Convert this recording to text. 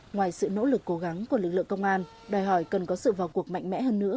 ngoài sự nỗ lực cố gắng của lực lượng công an đòi hỏi cần có sự vào cuộc mạnh mẽ hơn nữa